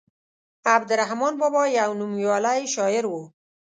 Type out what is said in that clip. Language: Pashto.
عبدالرحمان بابا يو نوميالی شاعر وو.